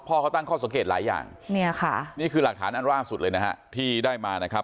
พ่อเขาตั้งข้อสังเกตหลายอย่างนี่คือหลักฐานอันร่างสุดเลยที่ได้มา